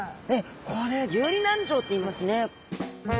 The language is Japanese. これ遊離軟条っていいますね。